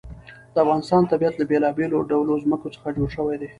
د افغانستان طبیعت له بېلابېلو ډولو ځمکه څخه جوړ شوی دی.